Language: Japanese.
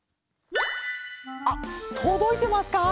あっとどいてますか？